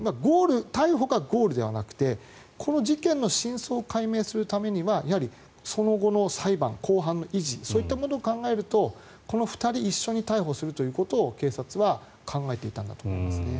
逮捕がゴールではなくてこの事件の真相を解明するためにはやはりその後の裁判、公判の維持そういったものを考えるとこの２人を一緒に逮捕することを警察は考えていたんだと思いますね。